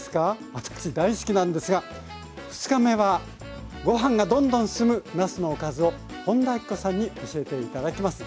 私大好きなんですが２日目はご飯がどんどん進むなすのおかずを本田明子さんに教えて頂きます。